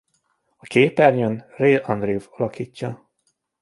A képernyőn Real Andrews alakítja.